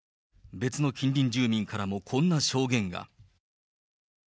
別の近隣住民からもこんな証言が。